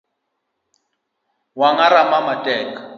Wanga rama matek.